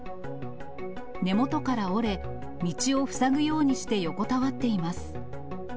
根元から折れ、道を塞ぐようにして横たわっています。